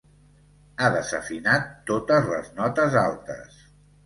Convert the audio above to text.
Ha desafinat totes les notes altes.